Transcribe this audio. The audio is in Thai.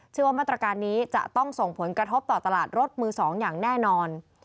ว่ามาตรการนี้จะต้องส่งผลกระทบต่อตลาดรถมือ๒อย่างแน่นอน